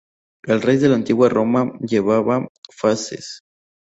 El rey de la Antigua Roma llevaba fasces.